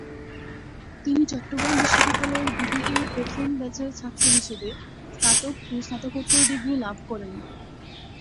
তিনি চট্টগ্রাম বিশ্ববিদ্যালয়ের বিবিএ প্রথম ব্যাচের ছাত্র হিসেবে স্নাতক ও স্নাতকোত্তর ডিগ্রি লাভ করেন।